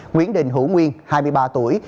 nguyễn đình hữu nguyên hai mươi ba tuổi